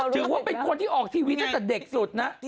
ถือว่าเป็นคนที่ออกทีวีตั้งแต่เด็กสุดนะ